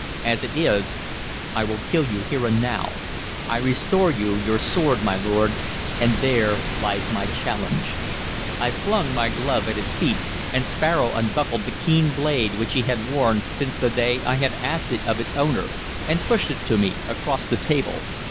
As it is, I will kill you here and now. I restore you your sword, my lord, and there lies my challenge." I flung my glove at his feet, and Sparrow unbuckled the keen blade which he had worn since the day I had asked it of its owner, and pushed it to me across the table.